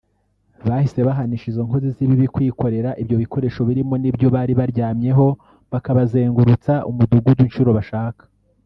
bahise bahanisha izi nkozi z’ibibi kwikorera ibyo bikoresho birimo n’ibyo bari baryamyeho bakabazengurutsa umudugudu inshuro bashaka